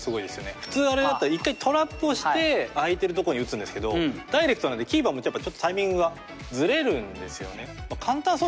普通あれだったら一回トラップをして空いてるとこに打つんですけどダイレクトなんでキーパーもタイミングがずれるんですよね。